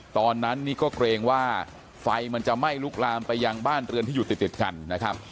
ตอนนั้นนี่ก็เกรงว่าไฟมันจะไหม้ลุกลามไปยังบ้านเรือนที่อยู่ติดกันนะครับ